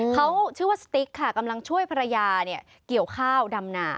เขาชื่อว่าสติ๊กค่ะกำลังช่วยภรรยาเกี่ยวข้าวดำหนา